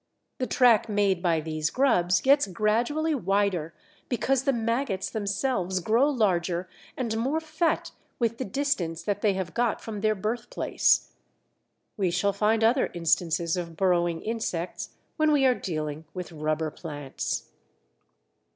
The track made by these grubs gets gradually wider, because the maggots themselves grow larger and more fat with the distance that they have got from their birthplace. We shall find other instances of burrowing insects when we are dealing with rubber plants.